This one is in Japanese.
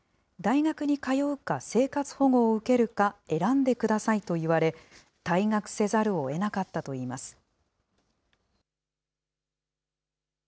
大学に通うか、生活保護を受けるか、選んでくださいと言われ、退学せざるをえなかったといいます。